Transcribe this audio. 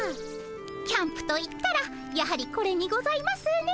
キャンプと言ったらやはりこれにございますね。